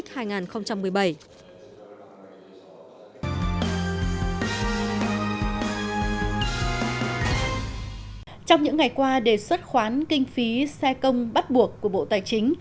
trong những ngày qua đề xuất khoán kinh phí xe công bắt buộc của bộ tài chính